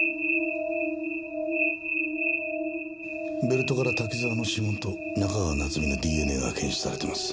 ベルトから滝沢の指紋と中川夏美のＤＮＡが検出されてます。